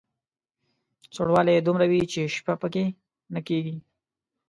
سوړوالی یې دومره وي چې شپه په کې نه کېږي.